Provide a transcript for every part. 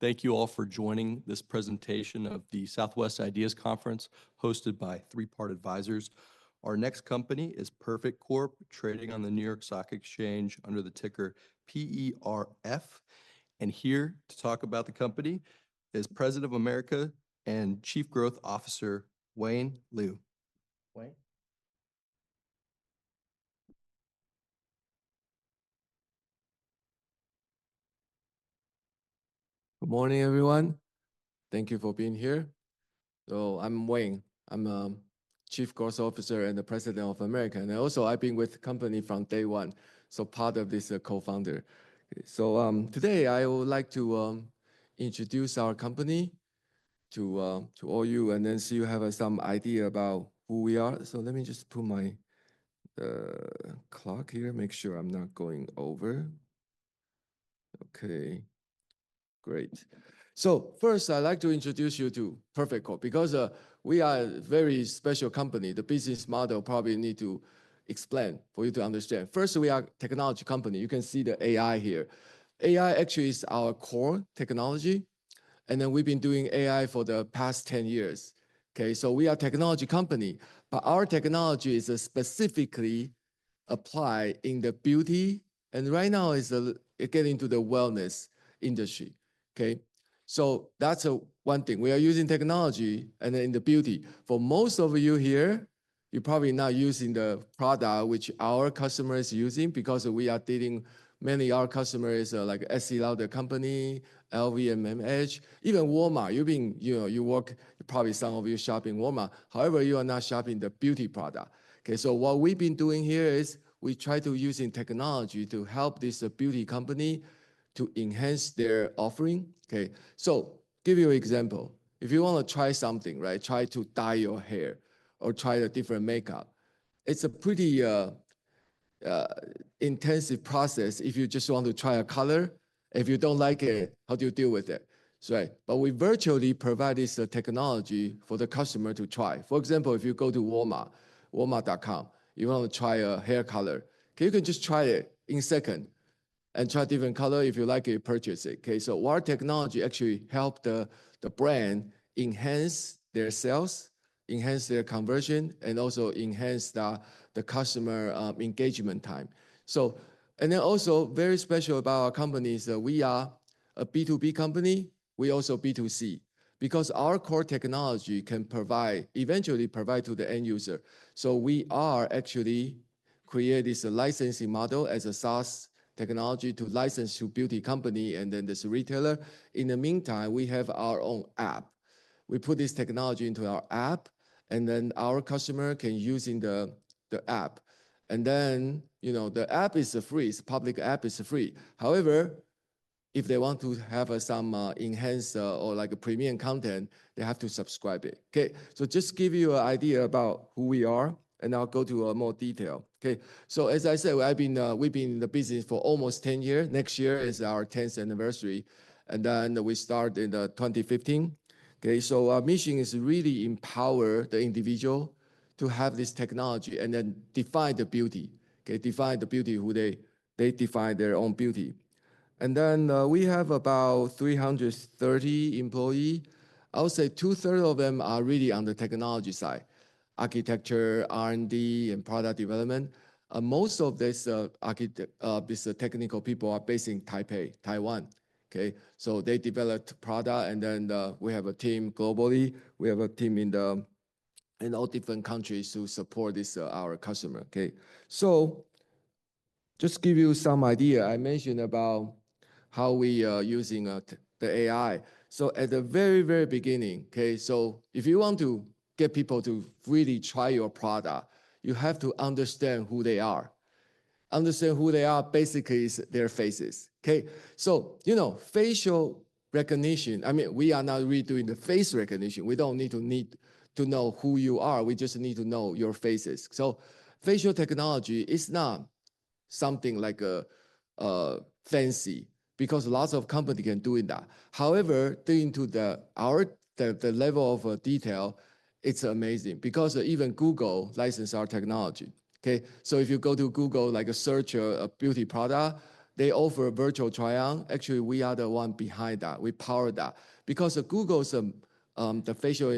And thank you all for joining this presentation of the Southwest Ideas Conference hosted by Three Part Advisors. Our next company is Perfect Corp., trading on the New York Stock Exchange under the ticker PERF. And here to talk about the company is President of America and Chief Growth Officer Wayne Liu. Good morning, everyone. Thank you for being here. So I'm Wayne. I'm Chief Growth Officer and the President of America. And also, I've been with the company from day one, so part of this co-founder. So today, I would like to introduce our company to all you and then see you have some idea about who we are. So let me just put my clock here, make sure I'm not going over. Okay. Great. So first, I'd like to introduce you to Perfect Corp. because we are a very special company. The business model probably needs to be explained for you to understand. First, we are a technology company. You can see the AI here. AI actually is our core technology. And then we've been doing AI for the past 10 years. Okay. We are a technology company, but our technology is specifically applied in the beauty, and right now it's getting into the wellness industry. Okay. So that's one thing. We are using technology and in the beauty. For most of you here, you're probably not using the product which our customers are using because we are dealing with many of our customers like Estée Lauder Companies, LVMH, even Walmart. You've been, you know, you work, probably some of you shop in Walmart. However, you are not shopping the beauty product. Okay. So what we've been doing here is we try to use technology to help this beauty company to enhance their offering. Okay. So give you an example. If you want to try something, right, try to dye your hair or try a different makeup, it's a pretty intensive process. If you just want to try a color, if you don't like it, how do you deal with it? Right. But we virtually provide this technology for the customer to try. For example, if you go to Walmart, walmart.com, you want to try a hair color, you can just try it in a second and try a different color. If you like it, purchase it. Okay. So our technology actually helps the brand enhance their sales, enhance their conversion, and also enhance the customer engagement time. So, and then also very special about our company is that we are a B2B company. We are also B2C because our core technology can provide, eventually provide to the end user. So we are actually creating this licensing model as a SaaS technology to license to a beauty company and then this retailer. In the meantime, we have our own app. We put this technology into our app, and then our customer can use the app, and then, you know, the app is free. It's a public app. It's free. However, if they want to have some enhanced or like premium content, they have to subscribe to it. Okay, so just to give you an idea about who we are, and I'll go to more detail. Okay, so as I said, we've been in the business for almost 10 years. Next year is our 10th anniversary, and then we started in 2015. Okay, so our mission is really to empower the individual to have this technology and then define the beauty. Okay, define the beauty who they define their own beauty. And then we have about 330 employees. I'll say two-thirds of them are really on the technology side, architecture, R&D, and product development. Most of these technical people are based in Taipei, Taiwan. Okay. So they developed products, and then we have a team globally. We have a team in all different countries to support our customers. Okay. So just to give you some idea, I mentioned about how we are using the AI. So at the very, very beginning, okay, so if you want to get people to really try your product, you have to understand who they are. Understand who they are basically is their faces. Okay. So, you know, facial recognition, I mean, we are not really doing the face recognition. We don't need to know who you are. We just need to know your faces. So facial technology is not something like fancy because lots of companies can do that. However, due to our level of detail, it's amazing because even Google licensed our technology. Okay. So if you go to Google like a search or a beauty product, they offer a virtual trial. Actually, we are the ones behind that. We power that because Google's the facial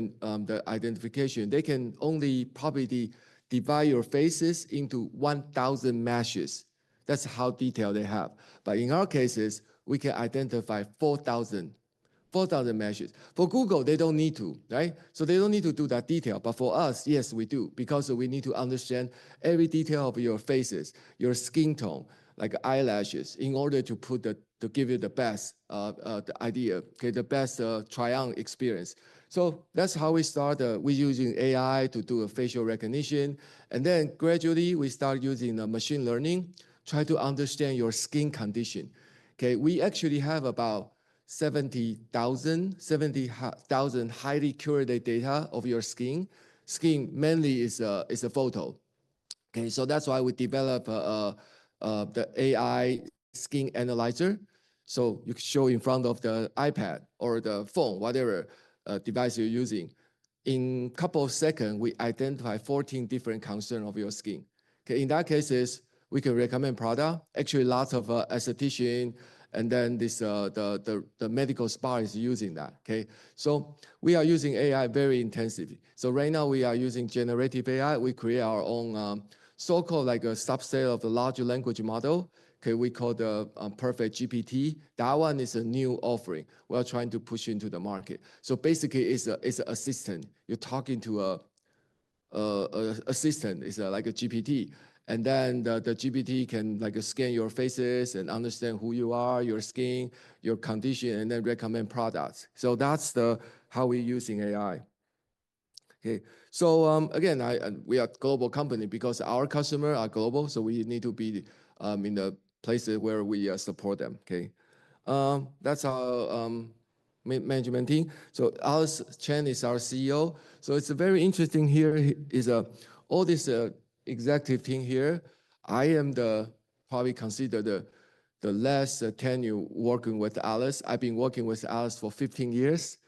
identification. They can only probably divide your faces into 1,000 meshes. That's how detail they have. But in our cases, we can identify 4,000 meshes. For Google, they don't need to, right? So they don't need to do that detail. But for us, yes, we do because we need to understand every detail of your faces, your skin tone, like eyelashes, in order to give you the best idea, okay, the best trial experience. So that's how we started. We're using AI to do facial recognition. And then gradually we started using machine learning, trying to understand your skin condition. Okay. We actually have about 70,000 highly curated data of your skin. Skin mainly is a photo. Okay. So that's why we developed the AI Skin Analyzer. So you can show in front of the iPad or the phone, whatever device you're using. In a couple of seconds, we identify 14 different concerns of your skin. Okay. In that case, we can recommend products. Actually, lots of aestheticians and then the medical spa are using that. Okay. So we are using AI very intensively. So right now we are using generative AI. We create our own so-called like a subset of the large language model. Okay. We call the PerfectGPT. That one is a new offering we're trying to push into the market. So basically, it's an assistant. You're talking to an assistant. It's like a GPT. And then the GPT can like scan your faces and understand who you are, your skin, your condition, and then recommend products. So that's how we're using AI. Okay. So again, we are a global company because our customers are global. So we need to be in the places where we support them. Okay. That's our management team. So Alice Chang is our CEO. So it's very interesting here. All this executive team here, I am probably considered the last tenure working with Alice. I've been working with Alice for 15 years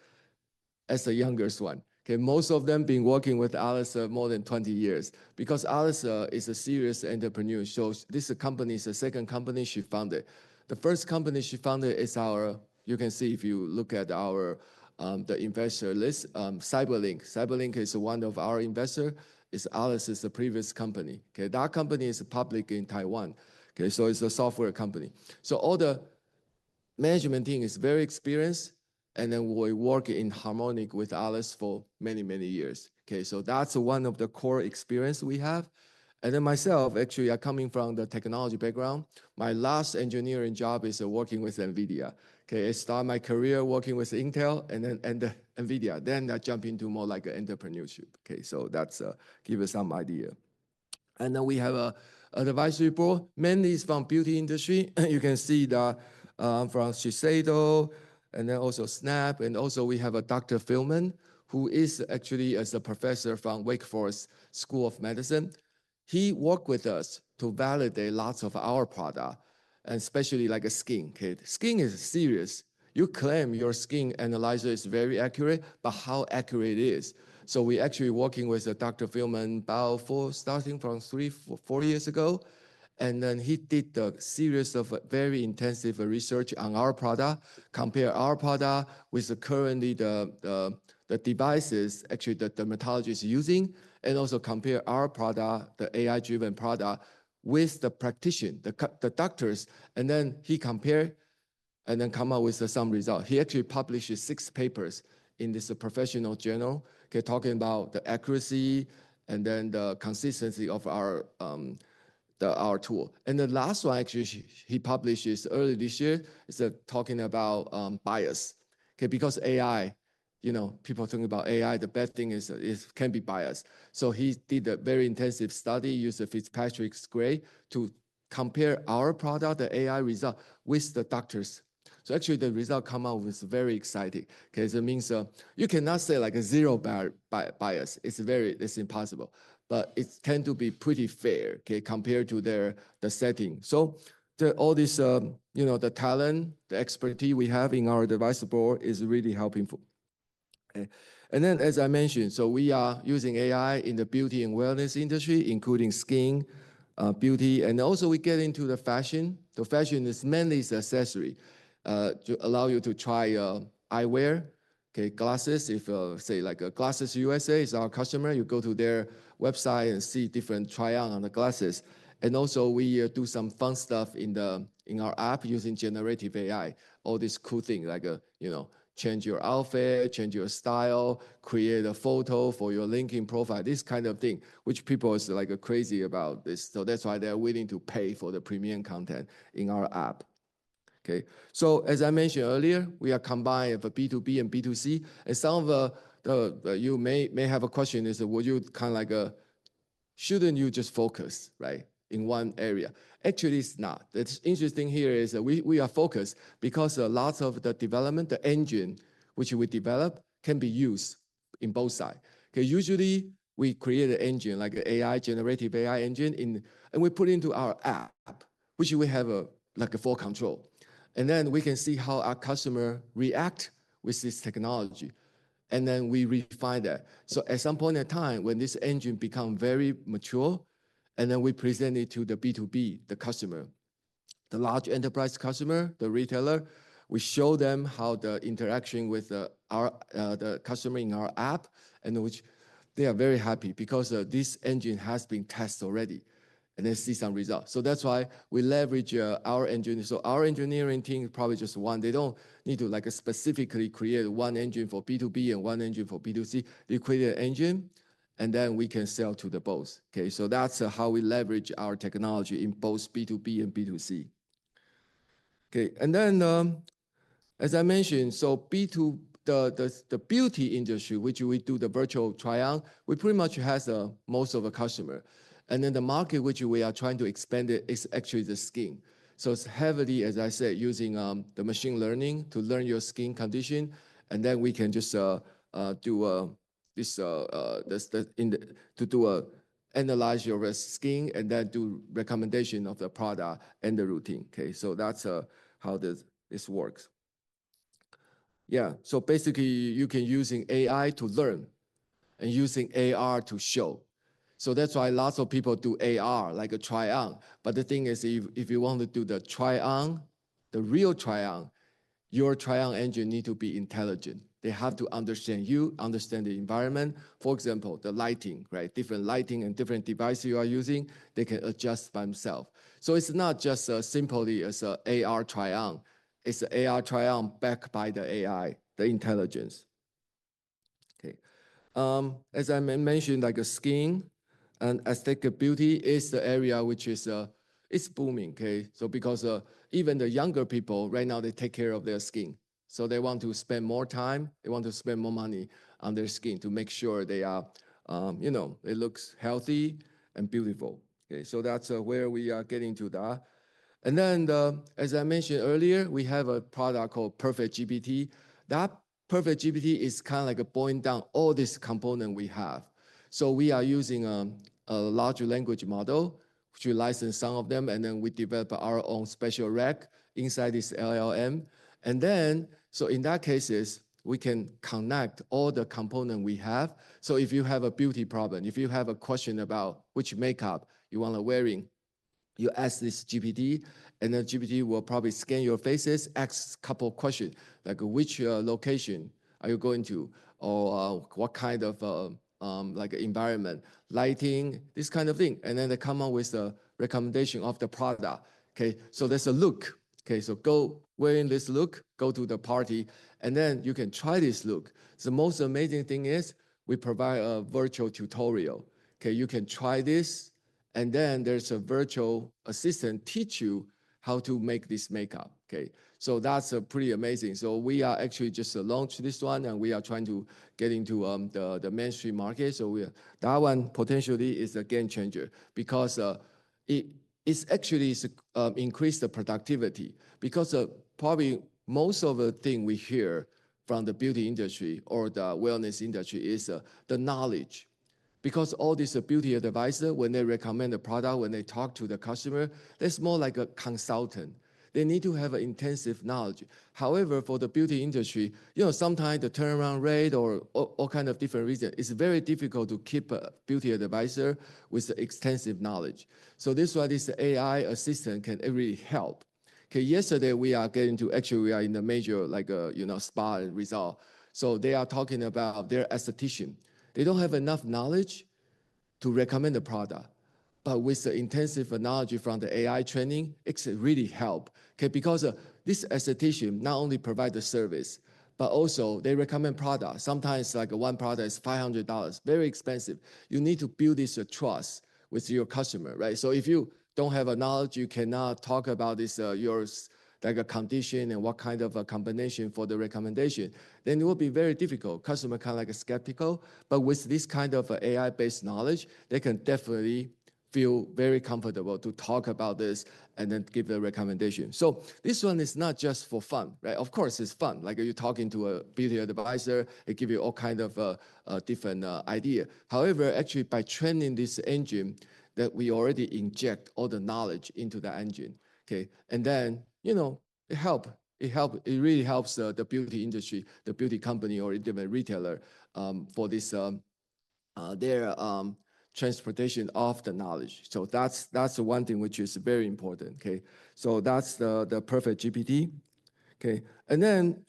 as the youngest one. Okay. Most of them have been working with Alice for more than 20 years because Alice is a serious entrepreneur. So this company is the second company she founded. The first company she founded is our, you can see if you look at our investor list, CyberLink. CyberLink is one of our investors. Alice is the previous company. Okay. That company is public in Taiwan. Okay. So it's a software company. So all the management team is very experienced. And then we work in harmony with Alice for many, many years. Okay. So that's one of the core experiences we have. And then myself, actually, I'm coming from the technology background. My last engineering job is working with NVIDIA. Okay. I started my career working with Intel and then NVIDIA. Then I jumped into more like an entrepreneurship. Okay. So that gives you some idea. And then we have an advisory board. Mainly it's from the beauty industry. You can see that I'm from Shiseido and then also Snap. And also we have Dr. Feldman, who is actually a professor from Wake Forest School of Medicine. He worked with us to validate lots of our products, especially like skin. Okay. Skin is serious. You claim your skin analyzer is very accurate, but how accurate it is? So we're actually working with Dr. Feldman about four, starting from three, four years ago. And then he did a series of very intensive research on our product, compared our product with currently the devices actually the dermatologist is using, and also compared our product, the AI-driven product with the practitioner, the doctors. And then he compared and then came up with some results. He actually published six papers in this professional journal, okay, talking about the accuracy and then the consistency of our tool. And the last one actually he published early this year is talking about bias. Okay. Because AI, you know, people think about AI, the best thing is it can be biased. So he did a very intensive study, used a Fitzpatrick Scale to compare our product, the AI result with the doctor's. So actually the result came out was very exciting. Okay. It means you cannot say like a zero bias. It's very, it's impossible, but it tends to be pretty fair, okay, compared to the setting. All this, you know, the talent, the expertise we have in our advisory board is really helpful. Okay. As I mentioned, we are using AI in the beauty and wellness industry, including skin, beauty. Also we get into the fashion. The fashion is mainly accessories to allow you to try eyewear, okay, glasses. If, say, like GlassesUSA is our customer, you go to their website and see different trials on the glasses. Also we do some fun stuff in our app using generative AI. All these cool things like, you know, change your outfit, change your style, create a photo for your LinkedIn profile, this kind of thing, which people are like crazy about this. So that's why they're willing to pay for the premium content in our app. Okay, so as I mentioned earlier, we are combined of B2B and B2C. And some of you may have a question: is, would you kind of like shouldn't you just focus, right, in one area? Actually, it's not. That's interesting here is we are focused because lots of the development, the engine which we develop can be used in both sides. Okay. Usually, we create an engine like an AI, generative AI engine, and we put it into our app, which we have like a full control. And then we can see how our customers react with this technology, and then we refine that. So at some point in time, when this engine becomes very mature, and then we present it to the B2B, the customer, the large enterprise customer, the retailer, we show them how the interaction with the customer in our app, and they are very happy because this engine has been tested already and they see some results. So that's why we leverage our engine. So our engineering team is probably just one. They don't need to like specifically create one engine for B2B and one engine for B2C. They create an engine, and then we can sell to both. Okay. So that's how we leverage our technology in both B2B and B2C. Okay. And then as I mentioned, so the beauty industry, which we do the virtual trial, we pretty much have most of our customers. And then the market which we are trying to expand is actually the skin. So it's heavily, as I said, using the machine learning to learn your skin condition. And then we can just do this to analyze your skin and then do recommendations of the product and the routine. Okay. So that's how this works. Yeah. So basically, you can use AI to learn and use AR to show. So that's why lots of people do AR like a trial. But the thing is, if you want to do the trial, the real trial, your trial engine needs to be intelligent. They have to understand you, understand the environment. For example, the lighting, right? Different lighting and different devices you are using, they can adjust by themselves. So it's not just simply as an AR trial. It's an AR trial backed by the AI, the intelligence. Okay. As I mentioned, like skin and aesthetic beauty is the area which is booming. Okay. So because even the younger people right now, they take care of their skin. So they want to spend more time. They want to spend more money on their skin to make sure they are, you know, it looks healthy and beautiful. Okay. So that's where we are getting to that. And then, as I mentioned earlier, we have a product PerfectGPT is kind of like boiling down all these components we have. So we are using a large language model to license some of them, and then we develop our own special track inside this LLM. And then, so in that case, we can connect all the components we have. So if you have a beauty problem, if you have a question about which makeup you want to wear, you ask this GPT, and the GPT will probably scan your faces, ask a couple of questions like which location are you going to or what kind of like environment, lighting, this kind of thing. And then they come up with a recommendation of the product. Okay. So there's a look. Okay. So go wearing this look, go to the party, and then you can try this look. The most amazing thing is we provide a virtual tutorial. Okay. You can try this, and then there's a virtual assistant teaching you how to make this makeup. Okay. So that's pretty amazing. So we are actually just launched this one, and we are trying to get into the mainstream market. So that one potentially is a game changer because it actually increases the productivity because probably most of the things we hear from the beauty industry or the wellness industry is the knowledge because all these beauty advisors, when they recommend a product, when they talk to the customer, they're more like a consultant. They need to have intensive knowledge. However, for the beauty industry, you know, sometimes the turnaround rate or all kinds of different reasons, it's very difficult to keep a beauty advisor with extensive knowledge. So this is why this AI assistant can really help. Okay. Yesterday, we were actually in a major, like a, you know, spa and resort. So they are talking about their aesthetician. They don't have enough knowledge to recommend a product. But with the intensive knowledge from the AI training, it really helps. Okay. Because this aesthetician not only provides the service, but also they recommend products. Sometimes, like, one product is $500, very expensive. You need to build this trust with your customer, right? So if you don't have knowledge, you cannot talk about your condition and what kind of combination for the recommendation, then it will be very difficult. Customer kind of like a skeptical. But with this kind of AI-based knowledge, they can definitely feel very comfortable to talk about this and then give the recommendation. So this one is not just for fun, right? Of course, it's fun. Like you're talking to a beauty advisor, it gives you all kinds of different ideas. However, actually by training this engine, we already inject all the knowledge into the engine. Okay, and then, you know, it helps. It helps. It really helps the beauty industry, the beauty company or different retailer for their transportation of the knowledge. So that's the one thing which is very important. Okay. So that's PerfectGPT. Okay. And then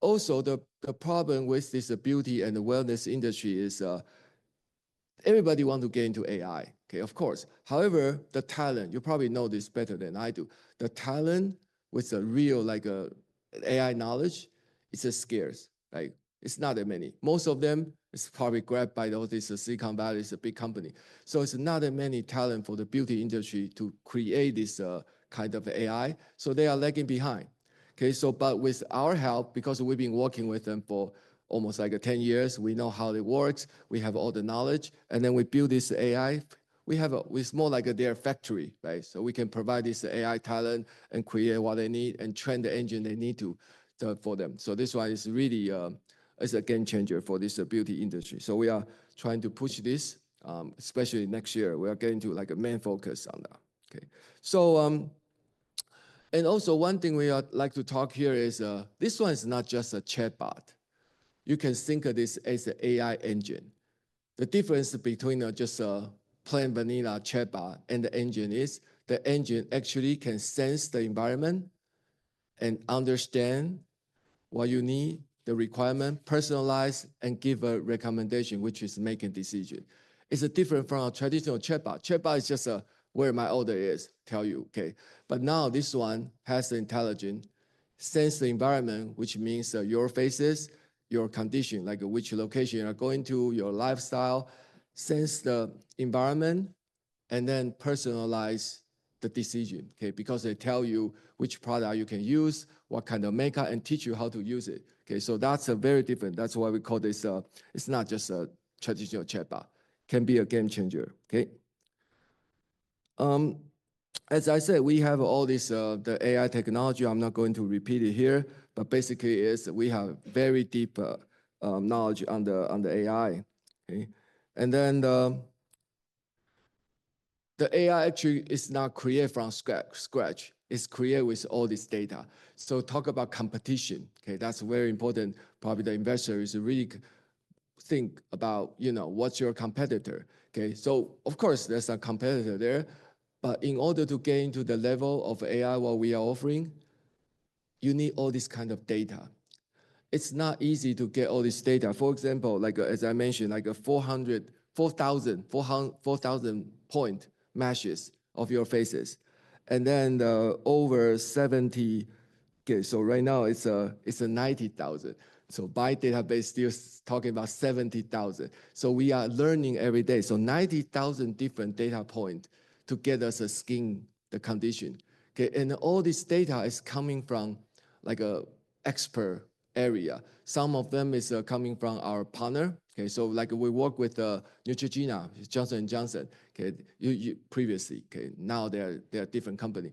also the problem with this beauty and the wellness industry is everybody wants to get into AI. Okay. Of course. However, the talent, you probably know this better than I do. The talent with a real like AI knowledge, it's scarce. Like it's not that many. Most of them is probably grabbed by all these Silicon Valley, the big company. So it's not that many talent for the beauty industry to create this kind of AI. So they are lagging behind. Okay. So but with our help, because we've been working with them for almost like 10 years, we know how it works. We have all the knowledge. And then we build this AI. It's more like their factory, right, so we can provide this AI talent and create what they need and train the engine they need for them, so this one is really, it's a game changer for this beauty industry, so we are trying to push this, especially next year. We are getting to like a main focus on that. Okay, and also one thing we would like to talk here is this one is not just a chatbot. You can think of this as an AI engine. The difference between just a plain vanilla chatbot and the engine is the engine actually can sense the environment and understand what you need, the requirement, personalize, and give a recommendation, which is making a decision. It's different from a traditional chatbot. Chatbot is just a, "Where are my orders?" Tell you. Okay. But now this one has the intelligence, senses the environment, which means your faces, your condition, like which location you're going to, your lifestyle, senses the environment, and then personalizes the decision. Okay. Because they tell you which product you can use, what kind of makeup, and teach you how to use it. Okay. So that's very different. That's why we call this, it's not just a traditional chatbot. It can be a game changer. Okay. As I said, we have all this, the AI technology. I'm not going to repeat it here, but basically we have very deep knowledge on the AI. Okay. And then the AI actually is not created from scratch. It's created with all this data. So talk about competition. Okay. That's very important. Probably the investors really think about, you know, what's your competitor? Okay. So of course, there's a competitor there. But in order to get into the level of AI, what we are offering, you need all this kind of data. It's not easy to get all this data. For example, like as I mentioned, like, 4,000 point meshes of your faces. And then over 70, okay, so right now it's a 90,000. So by database, still talking about 70,000. So we are learning every day. So 90,000 different data points to get us a skin, the condition. Okay. And all this data is coming from like an expert area. Some of them are coming from our partner. Okay. So like we work with Neutrogena, Johnson & Johnson. Okay. Previously. Okay. Now they're a different company.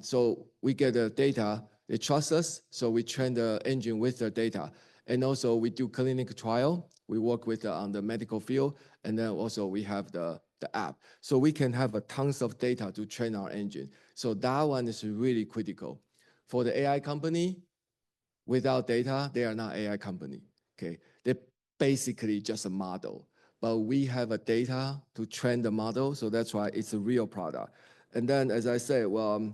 So we get the data, they trust us. So we train the engine with the data and also we do clinical trial. We work with on the medical field. And then also we have the app. So we can have tons of data to train our engine. So that one is really critical. For the AI company, without data, they are not an AI company. Okay. They're basically just a model. But we have data to train the model. So that's why it's a real product. And then as I said, well,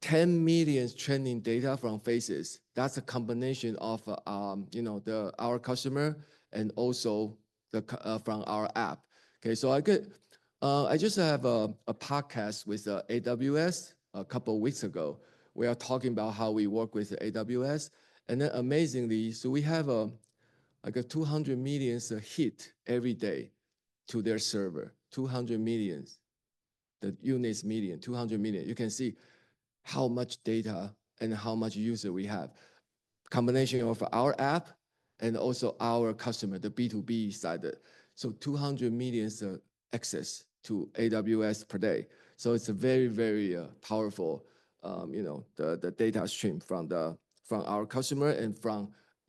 10 million training data from faces. That's a combination of, you know, our customer and also from our app. Okay. So I just have a podcast with AWS a couple of weeks ago. We are talking about how we work with AWS. And then amazingly, so we have like 200 million hits every day to their server. 200 million. The unit is million. 200 million. You can see how much data and how much user we have. Combination of our app and also our customer, the B2B side. So, 200 million access to AWS per day. So, it's a very, very powerful, you know, the data stream from our customer and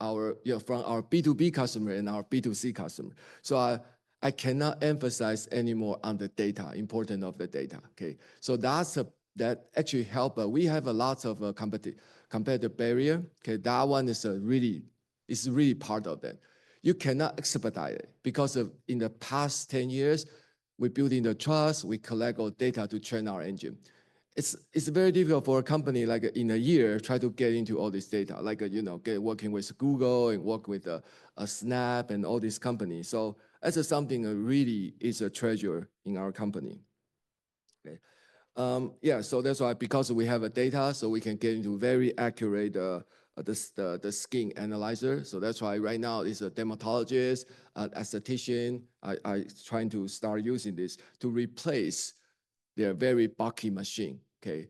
from our B2B customer and our B2C customer. So, I cannot emphasize any more on the data, the importance of the data. Okay. So, that actually helps. But we have lots of competitive barriers. Okay. That one is really part of that. You cannot expedite it because in the past 10 years, we're building the trust. We collect all data to train our engine. It's very difficult for a company like in a year to try to get into all this data. Like, you know, working with Google and working with Snap and all these companies. So, that's something that really is a treasure in our company. Okay. Yeah. So that's why, because we have data, so we can get into very accurate the skin analyzer. So that's why right now it's a dermatologist, an aesthetician. I'm trying to start using this to replace their very buggy machine. Okay.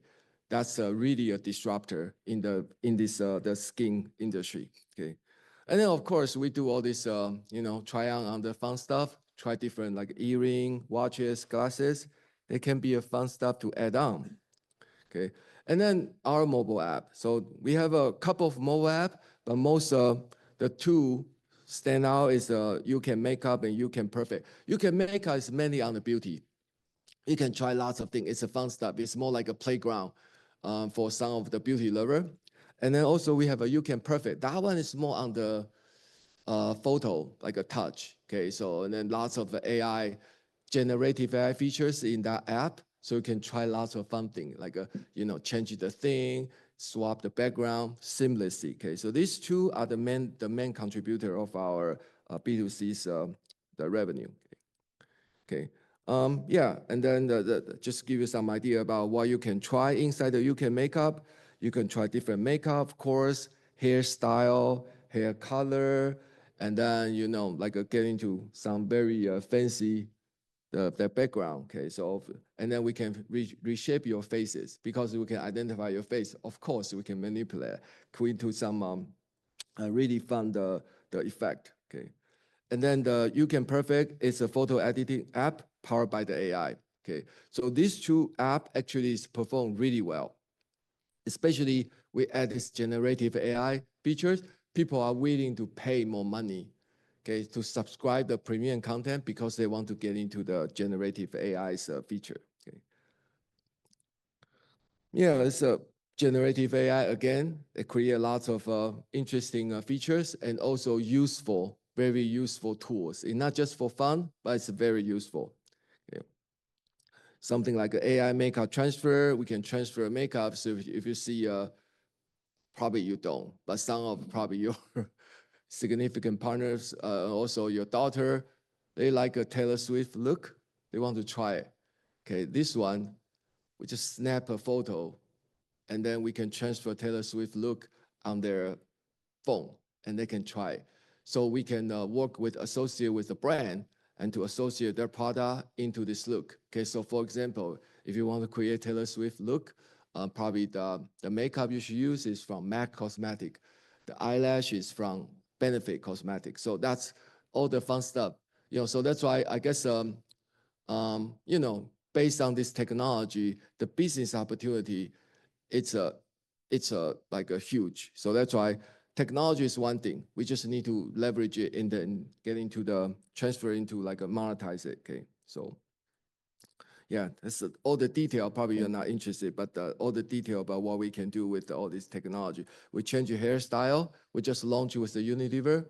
That's really a disruptor in this skin industry. Okay. And then of course, we do all this, you know, try out on the fun stuff. Try different like earrings, watches, glasses. It can be a fun stuff to add on. Okay. And then our mobile app. So we have a couple of mobile apps, but most of the two stand out is YouCam Makeup and YouCam Perfect. YouCam Makeup is mainly on the beauty. You can try lots of things. It's a fun stuff. It's more like a playground for some of the beauty lovers. And then also we have a YouCam Perfect. That one is more on the photo, like a touch. Okay. So and then lots of AI, generative AI features in that app. So you can try lots of fun things, like, you know, change the thing, swap the background, seamlessly. Okay. So these two are the main contributors of our B2C's revenue. Okay. Yeah. And then just give you some idea about what you can try inside the YouCam Makeup. You can try different makeup, of course, hairstyle, hair color. And then, you know, like getting to some very fancy background. Okay. So and then we can reshape your faces because we can identify your face. Of course, we can manipulate it into some really fun effect. Okay. And then the YouCam Perfect is a photo editing app powered by the AI. Okay. So this two apps actually perform really well. Especially, we add this generative AI features. People are willing to pay more money, okay, to subscribe to the premium content because they want to get into the generative AI feature. Okay. Yeah. It's a generative AI again. It creates lots of interesting features and also useful, very useful tools. It's not just for fun, but it's very useful. Okay. Something like an AI makeup transfer. We can transfer makeup. So if you see, probably you don't, but some of probably your significant partners, also your daughter, they like a Taylor Swift look. They want to try it. Okay. This one, we just snap a photo, and then we can transfer Taylor Swift look on their phone, and they can try it. So we can work with associate with the brand and to associate their product into this look. Okay. So for example, if you want to create a Taylor Swift look, probably the makeup you should use is from MAC Cosmetics. The eyelash is from Benefit Cosmetics. So that's all the fun stuff. You know, so that's why I guess, you know, based on this technology, the business opportunity, it's like huge. So that's why technology is one thing. We just need to leverage it and then get into the transfer into like a monetize it. Okay. So yeah, that's all the detail. Probably you're not interested, but all the detail about what we can do with all this technology. We change your hairstyle. We just launched with the Unilever.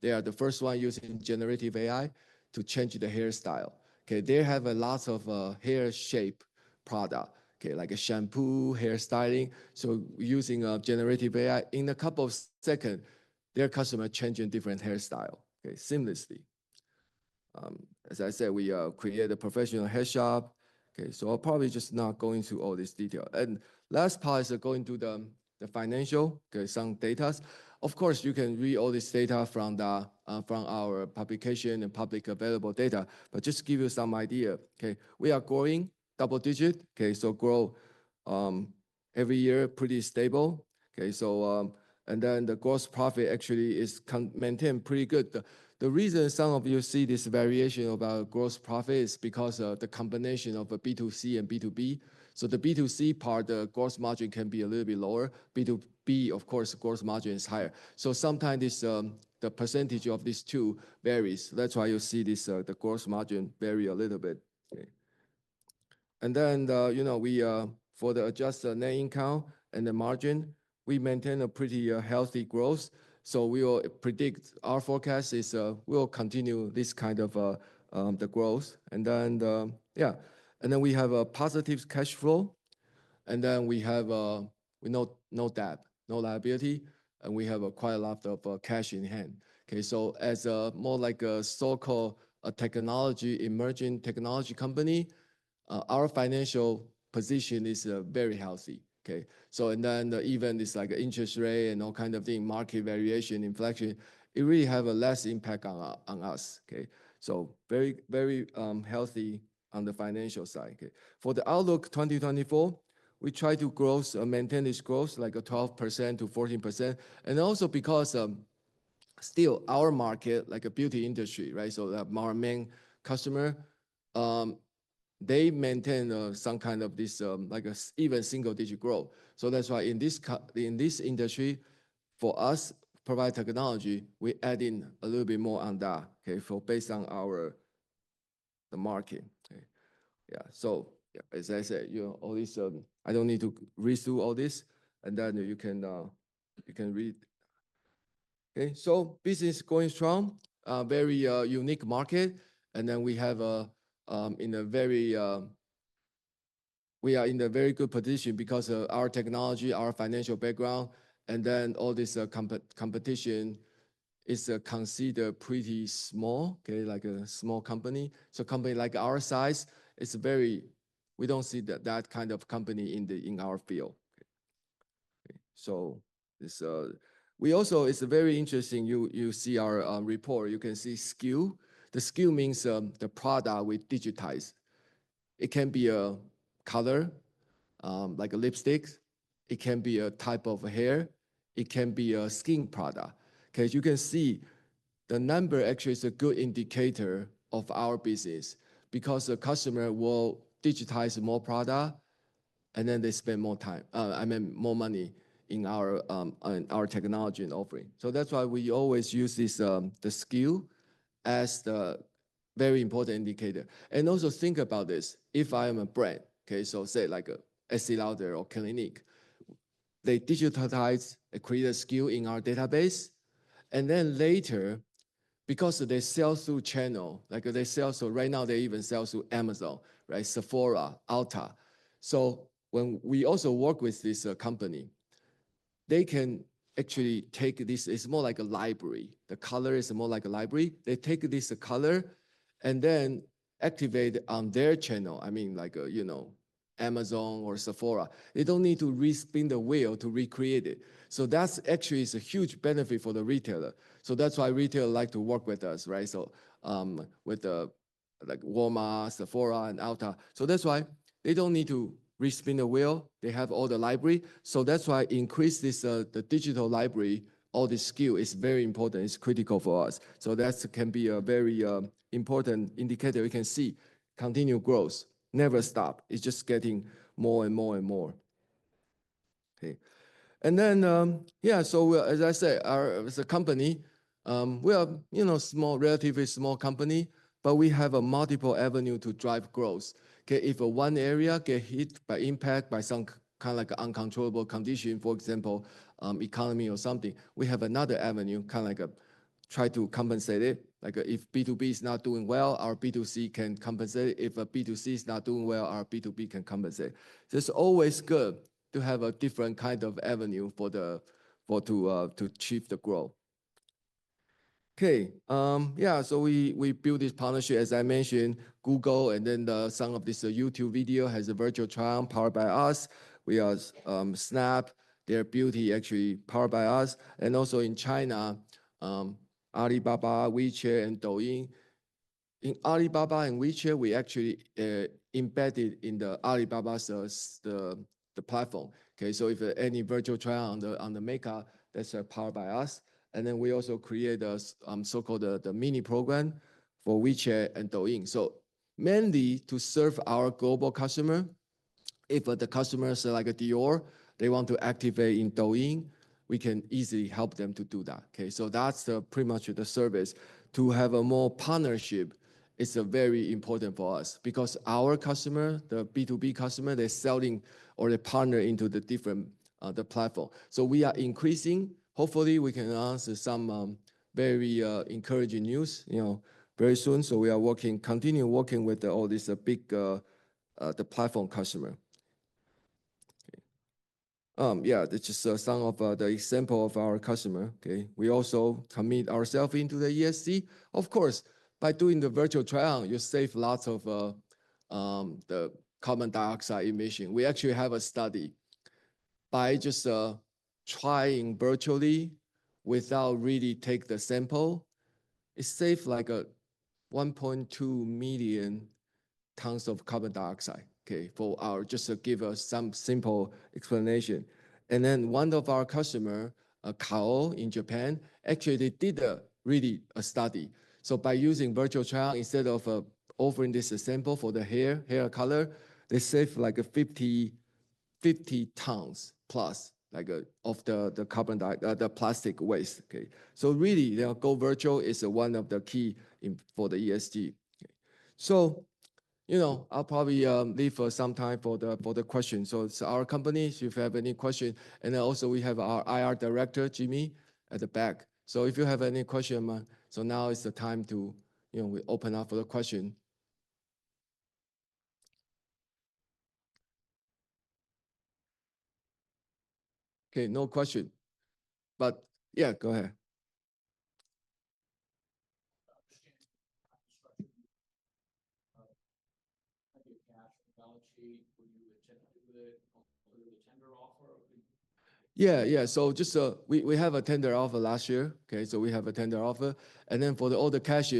They are the first one using generative AI to change the hairstyle. Okay. They have lots of hair shape products. Okay. Like a shampoo, hair styling. So using generative AI in a couple of seconds, their customer changes different hairstyle. Okay. Seamlessly. As I said, we create a professional hair shop. Okay. So I'll probably just not go into all this detail. And last part is going to the financial. Okay. Some data. Of course, you can read all this data from our publication and public available data. But just to give you some idea, okay, we are growing double digit. Okay. So grow every year, pretty stable. Okay. So and then the gross profit actually is maintained pretty good. The reason some of you see this variation about gross profit is because of the combination of B2C and B2B. So the B2C part, the gross margin can be a little bit lower. B2B, of course, gross margin is higher. So sometimes the percentage of these two varies. That's why you see this, the gross margin vary a little bit. Okay, and then, you know, for the adjusted net income and the margin, we maintain a pretty healthy growth, so we will predict our forecast is we'll continue this kind of the growth, and then, yeah, and then we have a positive cash flow, and then we have no debt, no liability, and we have quite a lot of cash in hand. Okay, so as more like a so-called technology, emerging technology company, our financial position is very healthy. Okay, so and then even it's like interest rate and all kinds of things, market variation, inflation, it really has a less impact on us. Okay, so very, very healthy on the financial side. Okay. For the outlook 2024, we try to grow, maintain this growth like a 12%-14%. And also because still our market, like the beauty industry, right? So our main customer, they maintain some kind of this like even single-digit growth. So that's why in this industry, for us, provide technology, we add in a little bit more on that. Okay. For based on our market. Okay. Yeah. So yeah, as I said, you know, all this, I don't need to read through all this. And then you can read. Okay. So business is going strong. Very unique market. And then we are in a very good position because of our technology, our financial background. And then all this competition is considered pretty small. Okay. Like a small company. So a company like our size, it's very, we don't see that kind of company in our field. Okay. So this we also, it's very interesting. You see our report; you can see SKU. The SKU means the product we digitize. It can be a color like a lipstick. It can be a type of hair. It can be a skin product. Okay. As you can see, the number actually is a good indicator of our business because the customer will digitize more product and then they spend more time, I mean, more money in our technology and offering, so that's why we always use this the SKU as the very important indicator, and also think about this. If I am a brand, okay, so say like a Estée Lauder or Clinique, they digitize; they create a SKU in our database, and then later, because they sell through channel, like they sell, so right now they even sell through Amazon, right? Sephora, Ulta. So when we also work with this company, they can actually take this. It's more like a library. The color is more like a library. They take this color and then activate on their channel. I mean, like, you know, Amazon or Sephora. They don't need to reinvent the wheel to recreate it. So that's actually a huge benefit for the retailer. So that's why retailers like to work with us, right? So with like Walmart, Sephora and Ulta. So that's why they don't need to reinvent the wheel. They have all the library. So that's why increasing this, the digital library, all this SKU is very important. It's critical for us. So that can be a very important indicator. You can see continual growth. Never stop. It's just getting more and more and more. Okay. Yeah, so as I said, as a company, we are, you know, small, relatively small company, but we have multiple avenues to drive growth. Okay. If one area gets hit by impact by some kind of like an uncontrollable condition, for example, economy or something, we have another avenue, kind of like a try to compensate it. Like if B2B is not doing well, our B2C can compensate it. If a B2C is not doing well, our B2B can compensate. So it's always good to have a different kind of avenue for the to achieve the growth. Okay. Yeah. So we built this partnership, as I mentioned, Google, and then some of this YouTube video has a virtual trial powered by us. We are Snap, their beauty actually powered by us. And also in China, Alibaba, WeChat and Douyin. In Alibaba and WeChat, we actually embedded in Alibaba's platform. Okay. So if any virtual trial on the makeup, that's powered by us. And then we also create a so-called mini program for WeChat and Douyin. So mainly to serve our global customer. If the customer is like a Dior, they want to activate in Douyin, we can easily help them to do that. Okay. So that's pretty much the service. To have a more partnership, it's very important for us because our customer, the B2B customer, they're selling or they partner into the different platform. So we are increasing. Hopefully, we can announce some very encouraging news, you know, very soon. So we are working, continue working with all this big platform customer. Okay. Yeah. This is some of the example of our customer. Okay. We also commit ourselves into the ESG. Of course, by doing the virtual trial, you save lots of the carbon dioxide emission. We actually have a study by just trying virtually without really taking the sample. It saves like a 1.2 million tons of carbon dioxide. Okay. For our, just to give us some simple explanation. And then one of our customers, Kao in Japan, actually did a really study. So by using virtual trial instead of offering this sample for the hair, hair color, they save like 50 tons plus like of the carbon, the plastic waste. Okay. So really, they'll go virtual is one of the key for the ESG. Okay. So, you know, I'll probably leave for some time for the questions. So it's our company, if you have any questions. And then also we have our IR Director, Jimmy, at the back. So if you have any question, now is the time to, you know, open up for the question. Okay. No question. But yeah, go ahead. Yeah. Yeah. So just we have a tender offer last year. Okay. So we have a tender offer. And then for all the cash,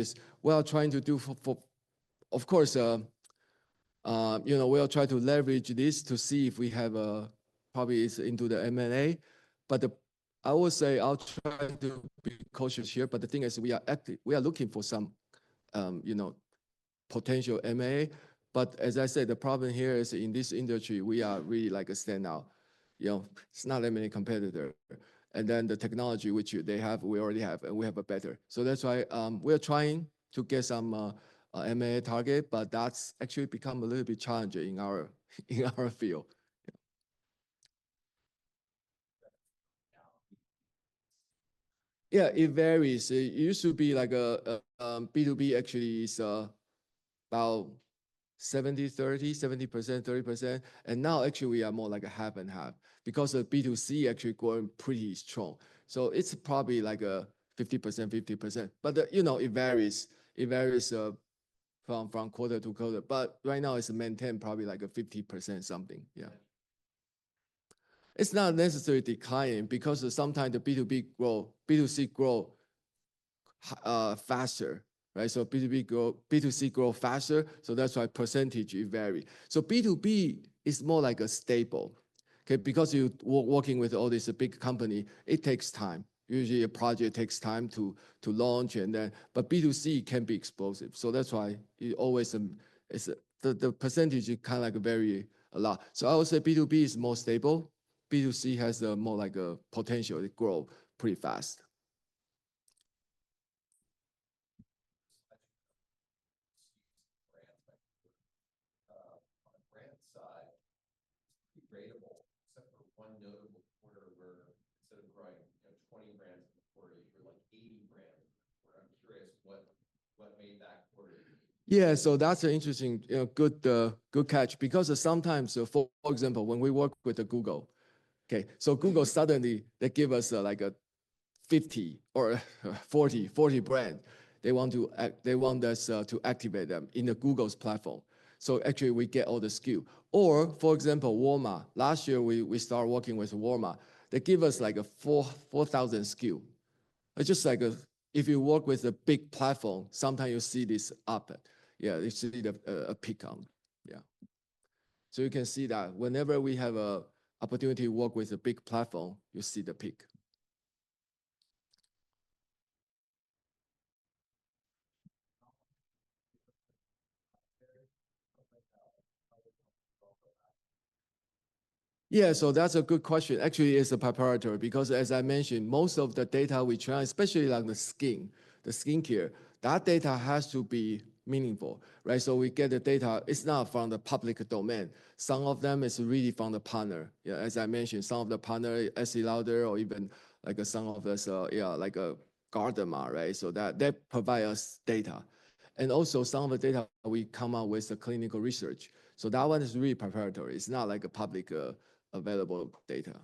we are trying to do for, of course, you know, we'll try to leverage this to see if we have a probably it's into the M&A. But I will say I'll try to be cautious here. But the thing is we are looking for some, you know, potential M&A. But as I said, the problem here is in this industry, we are really like a standout. You know, it's not that many competitors. And then the technology, which they have, we already have and we have a better. So that's why we are trying to get some M&A target, but that's actually become a little bit challenging in our field. Yeah, it varies. It used to be like a B2B actually is about 70%-30%. And now actually we are more like a half and half because of B2C actually going pretty strong. So it's probably like a 50%-50%. But you know, it varies. It varies from quarter to quarter. But right now it's maintained probably like a 50% something. Yeah. It's not necessarily declining because sometimes the B2B grow, B2C grow faster, right? So B2C grow faster. So that's why percentage varies. So B2B is more like a stable. Okay. Because you're working with all these big companies, it takes time. Usually a project takes time to launch and then, but B2C can be explosive. So that's why it always is the percentage kind of like vary a lot. So I would say B2B is more stable. B2C has more like a potential to grow pretty fast. On a brand side, it's pretty ratable except for one notable quarter where instead of growing, you know, 20 brands in the quarter, you were like 80 brands in the quarter. I'm curious what made that quarter. Yeah. So that's an interesting, you know, good catch because sometimes, for example, when we work with Google, okay, so Google suddenly they give us like a 50 or 40, 40 brands. They want us to activate them in Google's platform. So actually we get all the SKU. Or for example, Walmart, last year we started working with Walmart. They give us like a 4,000 SKU. It's just like if you work with a big platform, sometimes you see this up. Yeah. You see the peak on. Yeah. So you can see that whenever we have an opportunity to work with a big platform, you see the peak. Yeah. So that's a good question. Actually, it's proprietary because as I mentioned, most of the data we try, especially like the skin, the skincare, that data has to be meaningful, right? So we get the data, it's not from the public domain. Some of them is really from the partner. Yeah. As I mentioned, some of the partner, Estée Lauder or even like Sephora, yeah, like Walmart, right? So that provides us data. And also some of the data we come up with the clinical research. So that one is really proprietary. It's not like a publicly available data.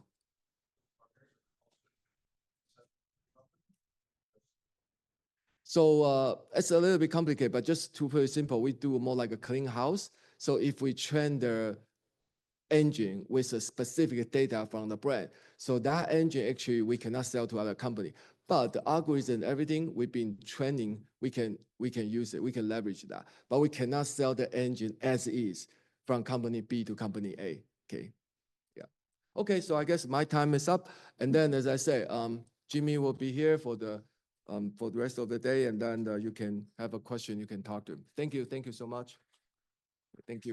So it's a little bit complicated, but just to put it simple, we do more like a clean house. So if we train the engine with a specific data from the brand, so that engine actually we cannot sell to other companies. But the algorithm and everything we've been training, we can use it. We can leverage that. But we cannot sell the engine as is from company B to company A. Okay. Yeah. Okay. So I guess my time is up. And then as I say, Jimmy will be here for the rest of the day. And then you can have a question, you can talk to him. Thank you. Thank you so much. Thank you.